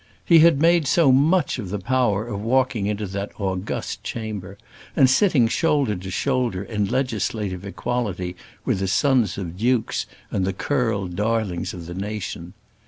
He had made so much of the power of walking into that august chamber, and sitting shoulder to shoulder in legislative equality with the sons of dukes and the curled darlings of the nation.